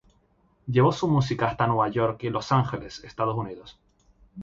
Luego llevó su música hasta Nueva York y Los Angeles, Estados Unidos.